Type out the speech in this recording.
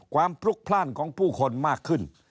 พลุกพลาดของผู้คนมากขึ้น